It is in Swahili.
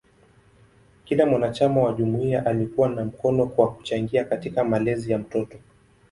Kila mwanachama wa jumuiya alikuwa na mkono kwa kuchangia katika malezi ya mtoto.